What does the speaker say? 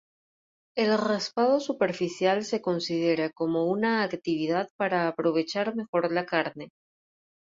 El raspado superficial se considera como una actividad para aprovechar mejor la carne.